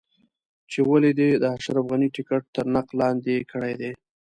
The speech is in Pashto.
چې ولې دې د اشرف غني ټکټ تر نقد لاندې کړی دی.